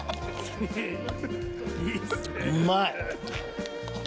うまい！